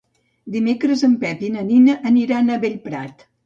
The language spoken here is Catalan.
Dimecres en Pep i na Nina aniran a Bellprat.